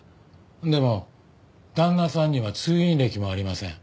でも旦那さんには通院歴もありません。